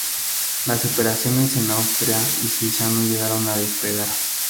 Las operaciones en Austria y Suiza no llegaron a despegar.